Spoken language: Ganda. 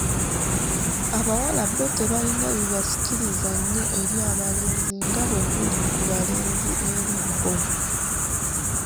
Abawala bo tebalina bibasikiriza nnyo eri abalenzi nga bwe guli ku balenzi eri bo.